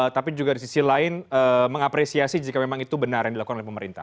tapi juga di sisi lain mengapresiasi jika memang itu benar yang dilakukan oleh pemerintah